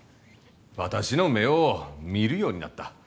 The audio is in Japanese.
私の目を見るようになった。